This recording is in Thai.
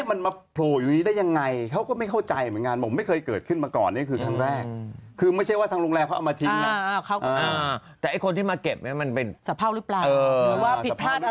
อยู่ดีเนี่ยคือจริงเก็บปุ๊บก็ต้องเอาไปทิ้งที่อื่นไปเลยทุกวัน